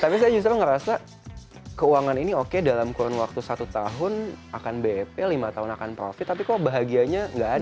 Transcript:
tapi saya justru ngerasa keuangan ini oke dalam kurun waktu satu tahun akan bep lima tahun akan profit tapi kok bahagianya nggak ada